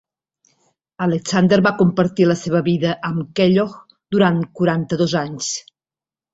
Alexander va compartir la seva vida amb Kellogg durant quaranta-dos anys.